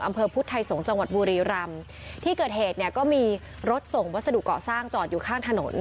อำเภอพุทธไทยสงศ์จังหวัดบุรีรำที่เกิดเหตุเนี่ยก็มีรถส่งวัสดุเกาะสร้างจอดอยู่ข้างถนน